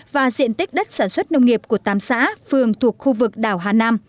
và diện tích đất sản xuất nông nghiệp của tám xã phường thuộc khu vực đảo hà nam